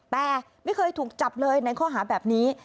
แต่ไม่เคยถูกจับเลยในข้อหาแบบนี้